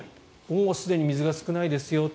もうすでに水が少ないですよ。